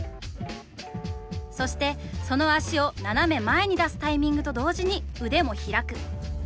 そしてその足を斜め前に出すタイミングと同時に腕も開く。